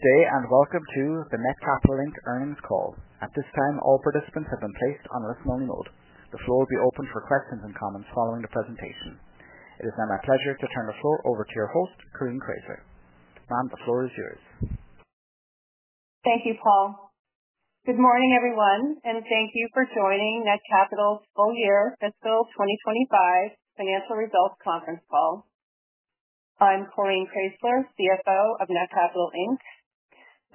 Today, and welcome to the Netcapital Inc. Earnings Call. At this time, all participants have been placed on a listening mode. The floor will be open for questions and comments following the presentation. It is now my pleasure to turn the floor over to your host, Coreen Kraysler. Ma'am, the floor is yours. Thank you, Paul. Good morning, everyone, and thank you for joining Netcapital's full-year fiscal 2025 financial results conference call. I'm Coreen Kraysler, CFO of Netcapital Inc.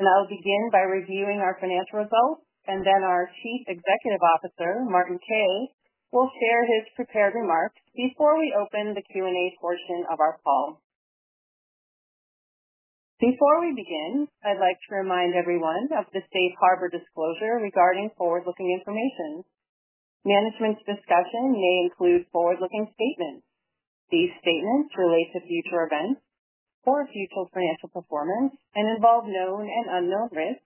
I'll begin by reviewing our financial results, and then our Chief Executive Officer, Martin Kay, will share his prepared remarks before we open the Q&A portion of our call. Before we begin, I'd like to remind everyone of the Safe Harbor disclosure regarding forward-looking information. Management's discussion may include forward-looking statements. These statements relate to future events or future financial performance and involve known and unknown risks,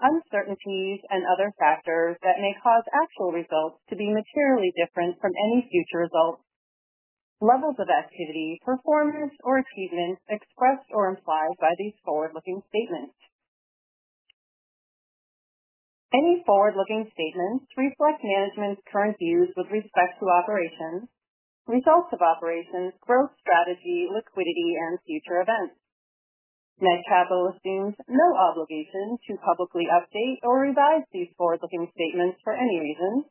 uncertainties, and other factors that may cause actual results to be materially different from any future results, levels of activity, performance, or achievements expressed or implied by these forward-looking statements. Any forward-looking statements reflect management's current views with respect to operations, results of operations, growth strategy, liquidity, and future events. Netcapital assumes no obligation to publicly update or revise these forward-looking statements for any reason,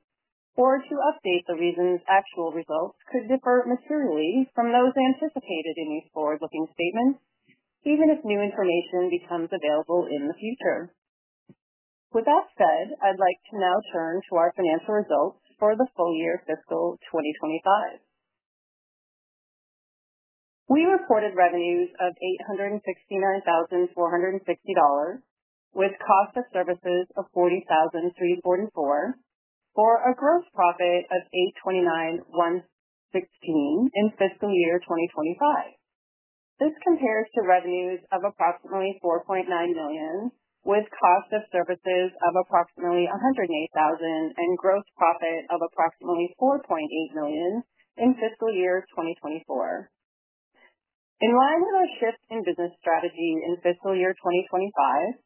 or to update the reasons actual results could differ materially from those anticipated in these forward-looking statements, even if new information becomes available in the future. With that said, I'd like to now turn to our financial results for the full year fiscal 2025. We reported revenues of $869,460, with cost of services of $40,344, for a gross profit of $829,116 in fiscal year 2025. This compares to revenues of approximately $4.9 million, with cost of services of approximately $108,000, and gross profit of approximately $4.8 million in fiscal year 2024. In line with our shift in business strategy in fiscal year 2025,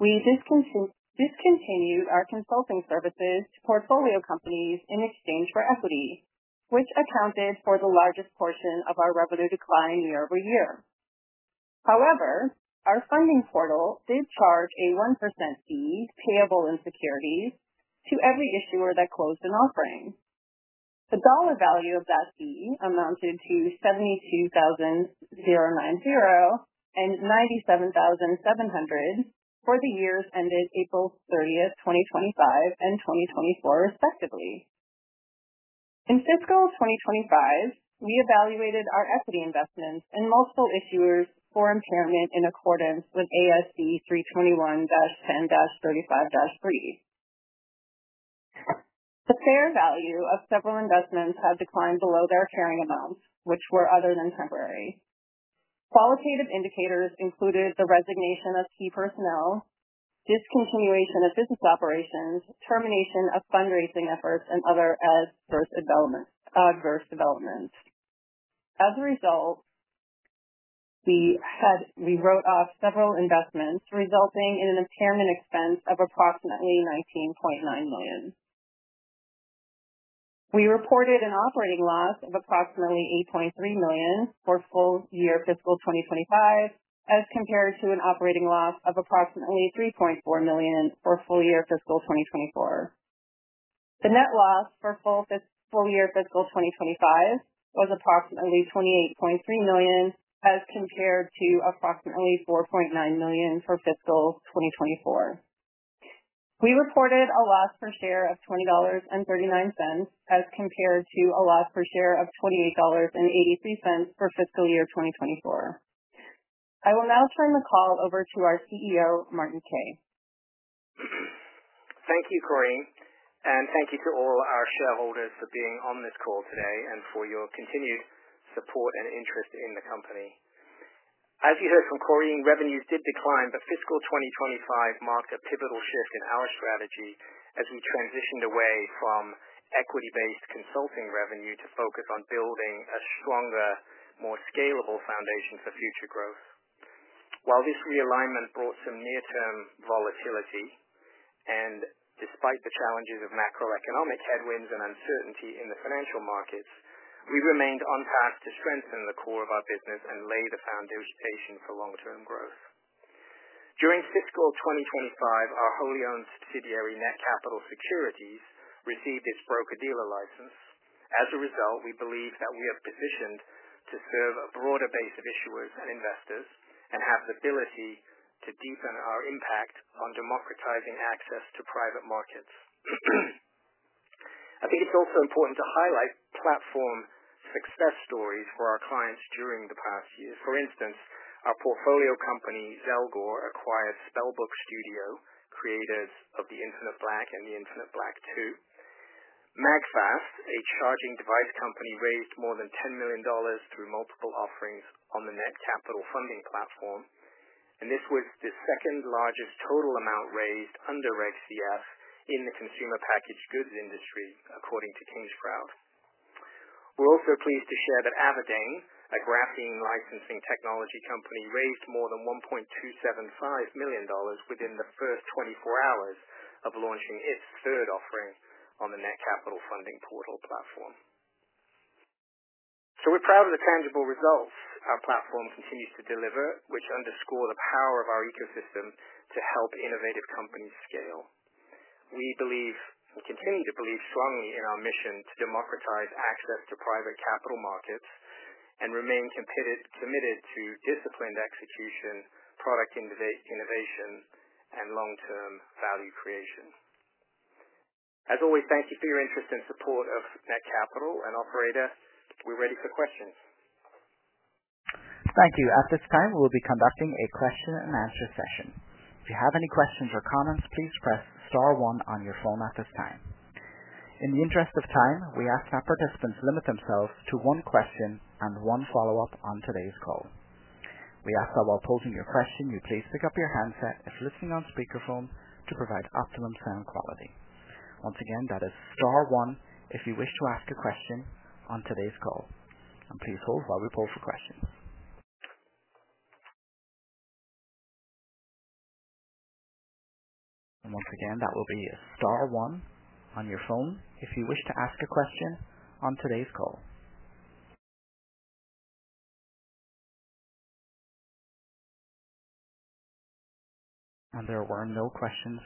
we discontinued our consulting services to portfolio companies in exchange for equity, which accounted for the largest portion of our revenue decline year over year. However, our funding portal did charge a 1% fee, payable in securities, to every issuer that closed an offering. The dollar value of that fee amounted to $72,090 and $97,700 for the years ended April 30, 2025, and 2024, respectively. In fiscal 2025, we evaluated our equity investments in multiple issuers for impairment in accordance with ASC 321-10-35-3. The fair value of several investments had declined below their carrying amounts, which were other than temporary. Qualitative indicators included the resignation of key personnel, discontinuation of business operations, termination of fundraising efforts, and other adverse developments. As a result, we wrote off several investments, resulting in an impairment expense of approximately $19.9 million. We reported an operating loss of approximately $8.3 million for full year fiscal 2025, as compared to an operating loss of approximately $3.4 million for full year fiscal 2024. The net loss for full year fiscal 2025 was approximately $28.3 million, as compared to approximately $4.9 million for fiscal 2024. We reported a loss per share of $20.39, as compared to a loss per share of $28.83 for fiscal year 2024. I will now turn the call over to our CEO, Martin Kay. Thank you, Coreen, and thank you to all our shareholders for being on this call today and for your continued support and interest in the company. As you heard from Coreen, revenues did decline, but fiscal 2025 marked a pivotal shift in our strategy as we transitioned away from equity-based consulting revenue to focus on building a stronger, more scalable foundation for future growth. While this realignment brought some near-term volatility, and despite the challenges of macroeconomic headwinds and uncertainty in the financial markets, we remained on task to strengthen the core of our business and lay the foundation for long-term growth. During fiscal 2025, our wholly owned subsidiary Netcapital Securities Inc. received its broker-dealer license. As a result, we believe that we have petitioned to serve a broader base of issuers and investors and have the ability to deepen our impact on democratizing access to private markets. I think it's also important to highlight platform success stories for our clients during the past year. For instance, our portfolio company, Zelgor, acquired Spellbook Studio, creators of the Internet of Black and the Internet of Black 2. Magfast, a charging device company, raised more than $10 million through multiple offerings on the Netcapital Funding Portal, and this was the second largest total amount raised under Reg CF in the consumer packaged goods sector, according to Kingsprout. We're also pleased to share that Avidan, a graphing licensing technology company, raised more than $1.275 million within the first 24 hours of launching its third offering on the Netcapital Funding Portal. We're proud of the tangible results our platform continues to deliver, which underscore the power of our ecosystem to help innovative companies scale. We believe, we continue to believe strongly in our mission to democratize access to private capital markets and remain committed to disciplined execution, product innovation, and long-term value creation. As always, thank you for your interest and support of Netcapital, and operator, we're ready for questions. Thank you. At this time, we will be conducting a question and answer session. If you have any questions or comments, please press star one on your phone at this time. In the interest of time, we ask our participants to limit themselves to one question and one follow-up on today's call. We ask that while posing your question, you please pick up your handset if listening on speakerphone to provide optimum sound quality. Once again, that is star one if you wish to ask a question on today's call. Please hold while we pose the question. Once again, that will be a star one on your phone if you wish to ask a question on today's call. There were no questions.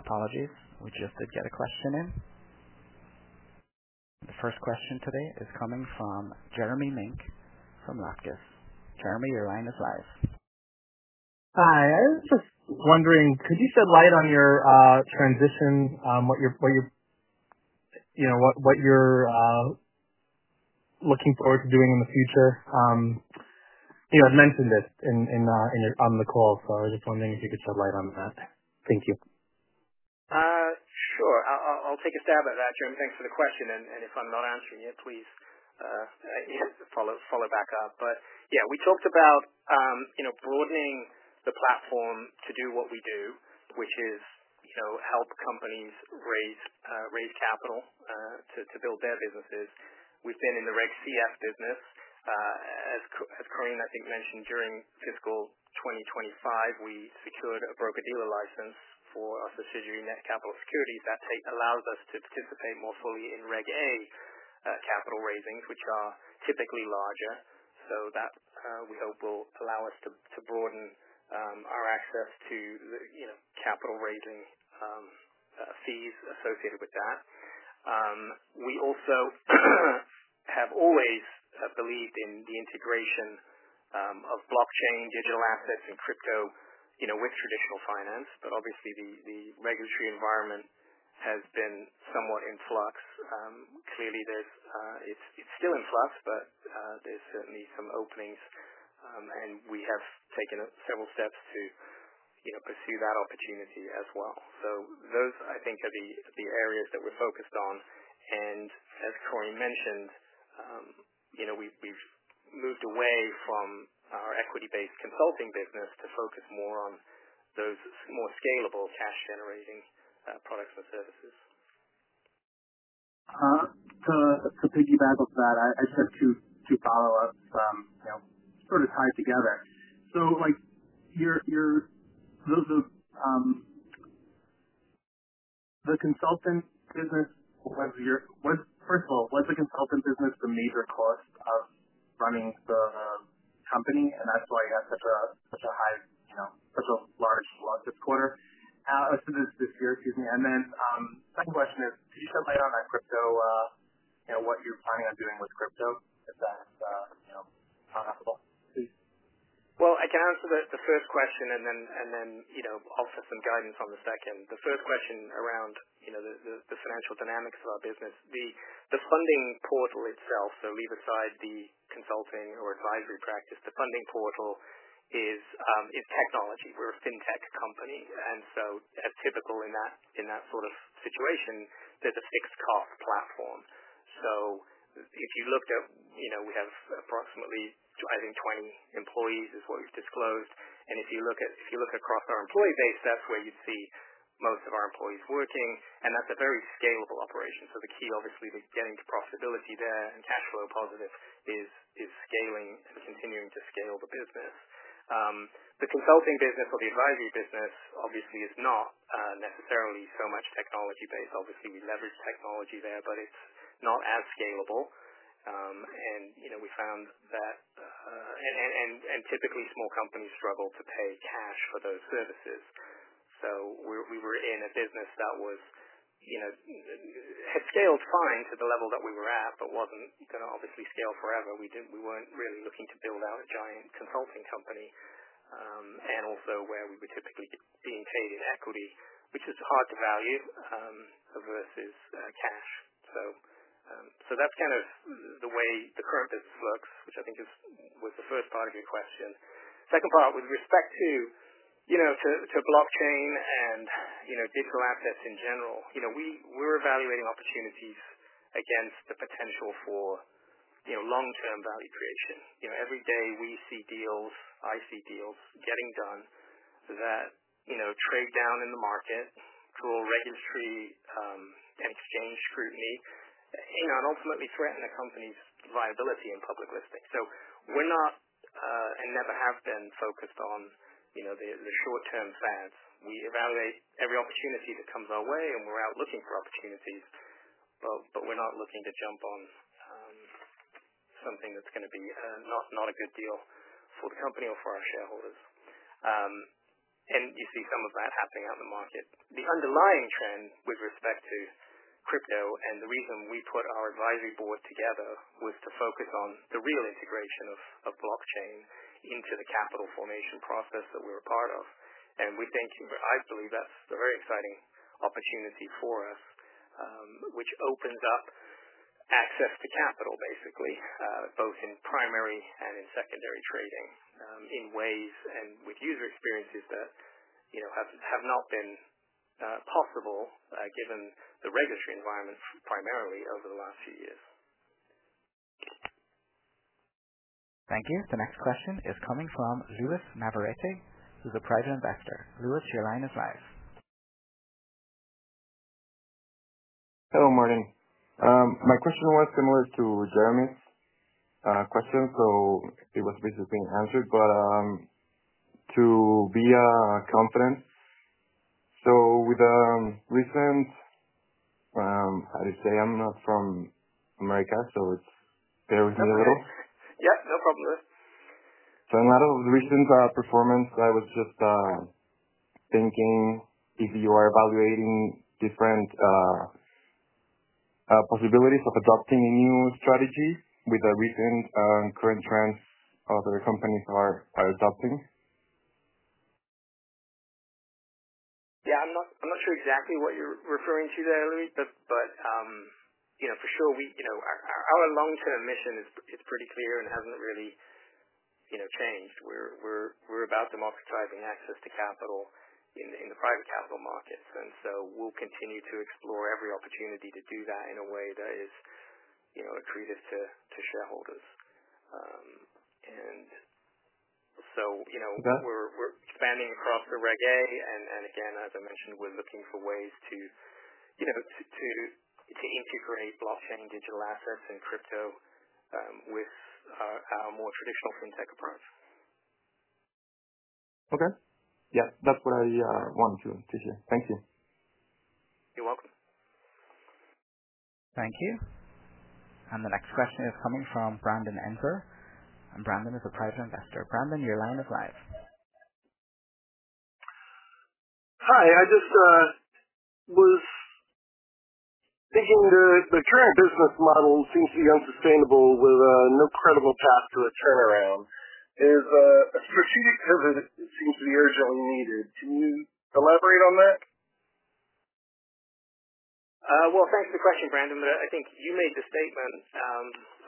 Apologies. We just did get a question in. The first question today is coming from Jeremy Mink from Lactus. Jeremy, your line is live. Hi. I was just wondering, could you shed light on your transition, what you're looking forward to doing in the future? I've mentioned this on the call, so I was just wondering if you could shed light on that. Thank you. Sure. I'll take a stab at that, Jeremy. Thanks for the question. If I'm not answering it, please follow back up. We talked about broadening the platform to do what we do, which is help companies raise capital to build their businesses. We've been in the Reg CF business. As Coreen Kraysler, I think, mentioned, during fiscal 2025, we secured a broker-dealer license for our subsidiary Netcapital Securities Inc. That allows us to participate more fully in Reg A capital raisings, which are typically larger. We hope that will allow us to broaden our access to the capital raising fees associated with that. We also have always believed in the integration of blockchain, digital assets, and crypto with traditional finance. Obviously, the regulatory environment has been somewhat in flux. Clearly, it's still in flux, but there's certainly some openings, and we have taken several steps to pursue that opportunity as well. Those, I think, are the areas that we're focused on. As Coreen mentioned, we've moved away from our equity-based consulting business to focus more on those more scalable, cash-generating products and services. To piggyback off that, I just have two follow-ups, sort of tied together. Your consultant business, what's the consultant business for measure cost of running for a company? That's why I have such a high, you know, crypto large loss this quarter, as to this year, excuse me. Second question is, could you shed light on that crypto, what you're planning on doing with crypto, and how that's going to be. I can answer the first question, and then I'll offer some guidance on the second. The first question around the financial dynamics of our business, the funding portal itself, so leave aside the consulting or advisory practice. The funding portal is technology. We're a fintech company. As typical in that sort of situation, there's a fixed-cost platform. If you look at, we have approximately, I think, 20 employees is what we've disclosed. If you look across our employee base, that's where you'd see most of our employees working. That's a very scalable operation. The key, obviously, was getting to profitability there, and cash flow positive is scaling and continuing to scale the business. The consulting business or the advisory business, obviously, is not necessarily so much technology-based. Obviously, we leverage technology there, but it's not as scalable. We found that, and typically, small companies struggle to pay cash for those services. We were in a business that was, you know, had scaled fine to the level that we were at, but wasn't going to obviously scale forever. We weren't really looking to build out a giant consulting company, and also where we were typically being paid in equity, which is hard to value, versus cash. That's kind of the way the current business looks, which I think was the first part of your question. Second part, with respect to blockchain and digital assets in general, we were evaluating opportunities against the potential for long-term value creation. Every day we see deals, I see deals getting done so that trade down in the market, poor regulatory and exchange scrutiny, and ultimately threaten a company's viability in public listing. We are not, and never have been, focused on the short-term fads. We evaluate every opportunity that comes our way, and we're out looking for opportunities, but we're not looking to jump on something that's going to be not a good deal for the company or for our shareholders. You see some of that happening out in the market. The underlying trend with respect to crypto, and the reason we put our advisory board together, was to focus on the real integration of blockchain into the capital formation process that we're a part of. We think, I believe that's a very exciting opportunity for us, which opens up access to capital, basically, both in primary and in secondary trading, in ways and with user experiences that have not been possible, given the regulatory environments primarily over the last few years. Thank you. The next question is coming from Luis Navarrete, who's a private investor. Luis, your line is live. Hello, Martin. My question was similar to Jeremy's question, so it was basically answered. To be confident, with recent, how do you say? I'm not from America, so bear with me a little. Yeah, no problem, Luis. I'm out of the recent performance. I was just thinking if you are evaluating different possibilities of adopting a new strategy with the recent current trends other companies are adopting. I'm not sure exactly what you're referring to there, Luis, but for sure, our long-term mission is pretty clear and hasn't really changed. We're about democratizing access to capital in the private capital markets, and we'll continue to explore every opportunity to do that in a way that is a treatise to shareholders. Okay. We're expanding across the Reg A. As I mentioned, we're looking for ways to integrate blockchain, digital assets, and crypto with our more traditional fintech approach. Okay. Yeah, that's what I wanted to hear. Thank you. You're welcome. Thank you. The next question is coming from Brandon Enzer, and Brandon is a private investor. Brandon, your line is live. I was thinking the current business model seems to be unsustainable with no credible path to a turnaround. Everything seems to be urgently needed. Can you elaborate on that? Thanks for the question, Brandon, but I think you made the statement,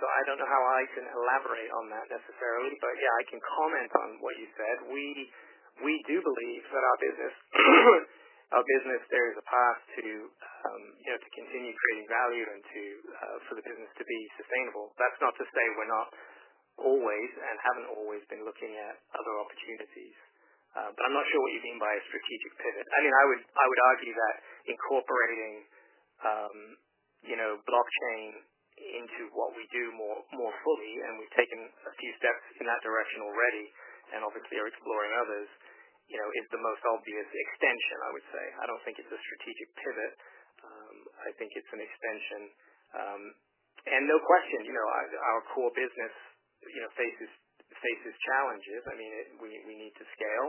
so I don't know how I can elaborate on that necessarily. Yeah, I can comment on what you said. We do believe that our business, there is a path to continue creating value and for the business to be sustainable. That's not to say we're not always and haven't always been looking at other opportunities. I'm not sure what you mean by a strategic pivot. I would argue that incorporating blockchain into what we do more fully, and we've taken a few steps in that direction already and obviously are exploring others, is the most obvious extension, I would say. I don't think it's a strategic pivot. I think it's an extension. No question, our core business faces challenges. We need to scale.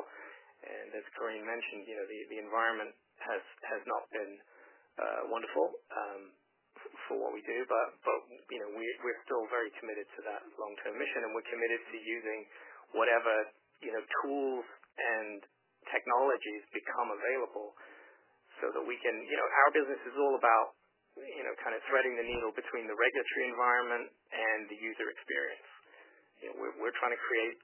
As Coreen Kraysler mentioned, the environment has not been wonderful for what we do. We're still very committed to that long-term mission, and we're committed to using whatever tools and technologies become available so that we can, our business is all about kind of threading the needle between the regulatory environment and the user experience. We're trying to create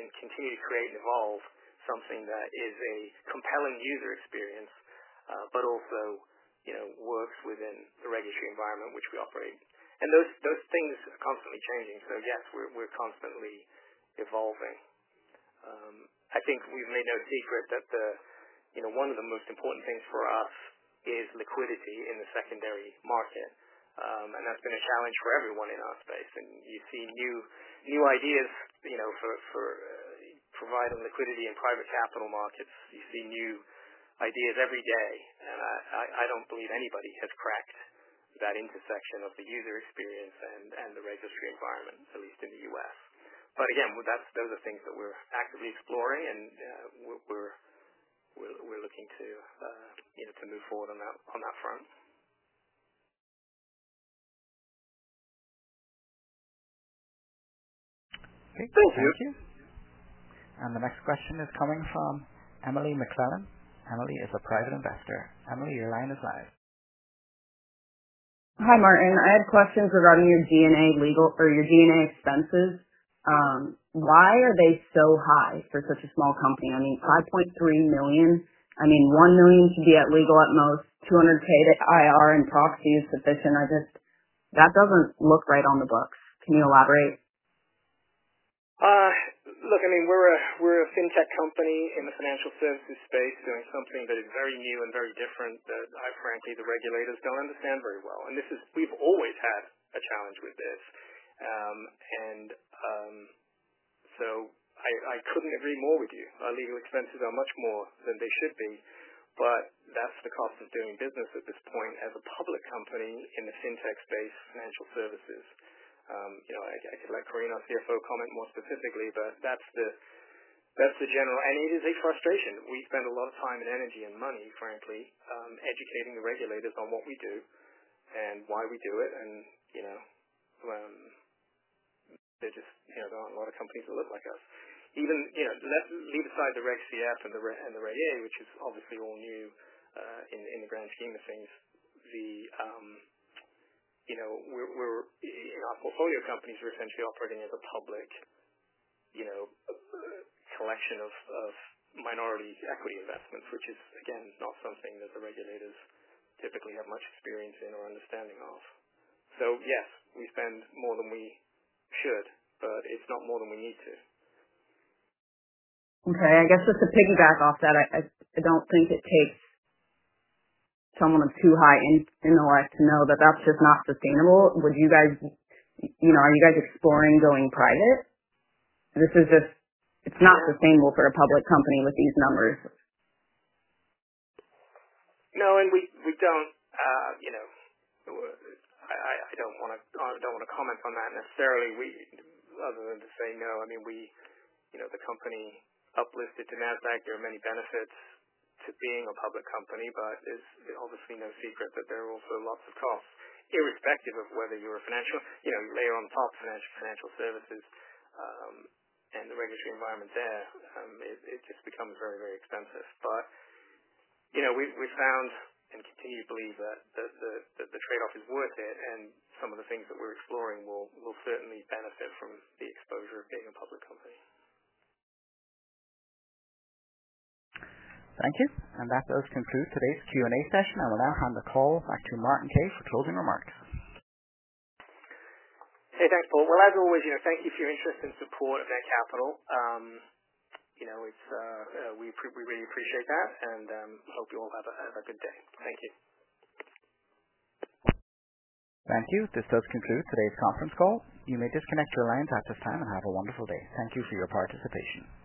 and continue to create and evolve something that is a compelling user experience, but also works within the regulatory environment in which we operate. Those things are constantly changing. Yes, we're constantly evolving. I think we've made no secret that one of the most important things for us is liquidity in the secondary market, and that's been a challenge for everyone in our space. You see new ideas for providing liquidity in private capital markets. You see new ideas every day. I don't believe anybody has cracked that intersection of the user experience and the regulatory environment, at least in the U.S. Those are things that we're actively exploring, and we're looking to move forward on that front. Okay, cool. Thank you. The next question is coming from Emily McLellan. Emily is a private investor. Emily, your line is live. Hi, Martin. I had questions regarding your G&A legal or your G&A expenses. Why are they so high for such a small company? I mean, $5.3 million. I mean, $1 million to be at legal at most, $200K to IR, and proxy is sufficient. That doesn't look right on the books. Can you elaborate? Look, I mean, we're a fintech company in the financial services space doing something that is very new and very different that, frankly, the regulators don't understand very well. This is, we've always had a challenge with this. Our legal expenses are much more than they should be, but that's the cost of doing business at this point as a public company in the fintech space, financial services. I could let Coreen Kraysler, our CFO, comment more specifically, but that's the general, and it is a frustration. We spend a lot of time and energy and money, frankly, educating the regulators on what we do and why we do it. There just aren't a lot of companies that look like us. Even beside the Reg CF and the Reg A, which is obviously all new in the grand scheme of things, our portfolio companies are essentially operating as a public collection of minority equity investments, which is, again, not something that the regulators typically have much experience in or understanding of. Yes, we spend more than we should, but it's not more than we need to. Okay. I guess just to piggyback off that, I don't think it takes someone with too high intellect to know that that's just not sustainable. Would you guys, you know, are you guys exploring going private? This is just, it's not sustainable for a public company with these numbers. No, I don't want to comment on that necessarily, other than to say no. The company uplisted to NASDAQ. There are many benefits to being a public company, but it's obviously no secret that there are also lots of costs, irrespective of whether you're a financial layer on top of financial services, and the regulatory environment there just becomes very, very expensive. We found and continue to believe that the trade-off is worth it, and some of the things that we're exploring will certainly benefit from the exposure of being a public company. Thank you. That does conclude today's Q&A session. I will now hand the call back to Martin Kay for closing remarks. Hey, thanks, Paul. Thank you for your interest and support of Netcapital. We appreciate, we really appreciate that. Good day. Thank you. Thank you. This does conclude today's conference call. You may disconnect your lines at this time and have a wonderful day. Thank you for your participation.